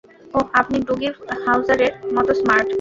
ওহ, আপনি ডুগি হাউজারের মতো স্মার্ট।